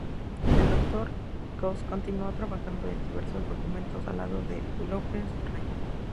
El doctor Cos continuó trabajando en diversos documentos al lado de López Rayón.